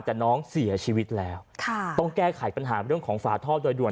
แต่น้องเสียชีวิตแล้วค่ะต้องแก้ไขปัญหาเรื่องของฝาท่อโดยด่วน